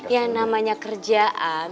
ya namanya kerjaan